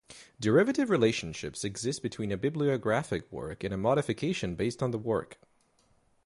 Derivative relationships exist between a bibliographic work and a modification based on the work.